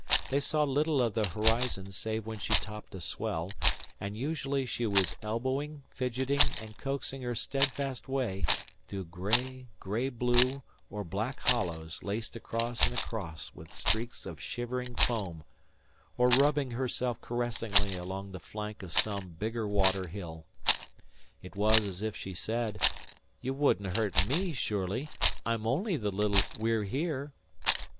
They saw little of the horizon save when she topped a swell; and usually she was elbowing, fidgeting, and coasting her steadfast way through gray, gray blue, or black hollows laced across and across with streaks of shivering foam; or rubbing herself caressingly along the flank of some bigger water hill. It was as if she said: "You wouldn't hurt me, surely? I'm only the little We're Here."